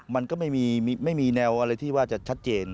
มันก็ไม่มีแนวอะไรที่ว่าจะชัดเจน